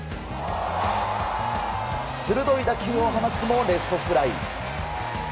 鋭い打球を放つもレフトフライ。